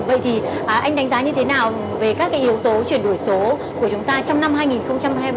vậy thì anh đánh giá như thế nào về các yếu tố chuyển đổi số của chúng ta trong năm hai nghìn hai mươi ba